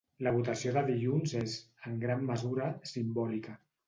La votació de dilluns és, en gran mesura, simbòlica.